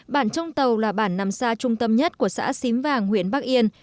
bản trong tàu là bản nằm xa trung tâm nhất của xã xím vàng huyện bắc yên